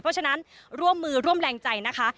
เพราะฉะนั้นร่วมมือร่วมแรงใจนะคะ